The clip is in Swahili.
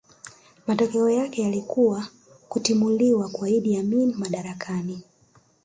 Matokeo yake yalikuwa kutimuliwa kwa Idi Amin madarakani